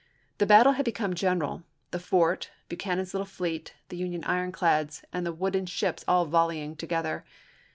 The battle had become general; the fort, Buchanan's little fleet, the Union ironclads, and the wooden ships all volleying together.